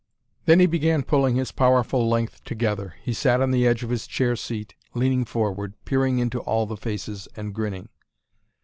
Then he began pulling his powerful length together. He sat on the edge of his chair seat, leaning forward, peering into all the faces and grinning.